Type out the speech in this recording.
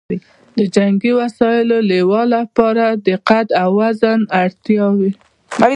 د جنګي وسلو لواو لپاره د قد او وزن اړتیاوې